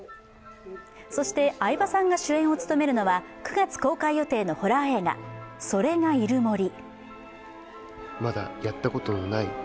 そして、相葉さんが主演を務めるのは９月公開予定のホラー映画「“それ”がいる森」。